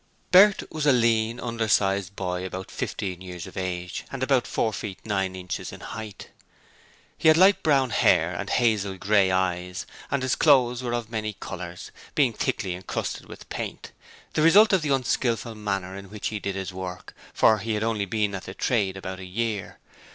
Bert was a lean, undersized boy about fifteen years of age and about four feet nine inches in height. He had light brown hair and hazel grey eyes, and his clothes were of many colours, being thickly encrusted with paint, the result of the unskillful manner in which he did his work, for he had only been at the trade about a year.